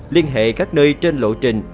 liên hệ các nơi trên lộ trình